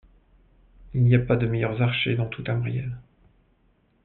Il n'y a pas de meilleurs archers dans tout Tamriel.